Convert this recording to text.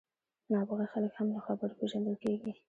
نابغه خلک هم له خبرو پېژندل کېږي.